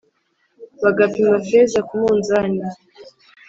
bagapima feza ku munzani,